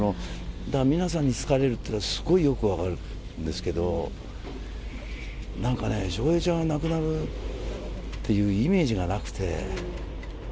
皆さんに好かれるっていうのはすごいよく分かるんですけど、なんかね、笑瓶ちゃんがなくなるっていうイメージがなくて。